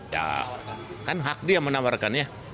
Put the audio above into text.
ya kan hak dia menawarkan ya